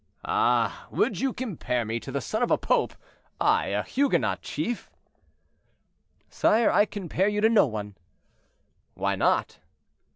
"Ah! would you compare me to the son of a pope—I, a Huguenot chief?" "Sire, I compare you to no one." "Why not?"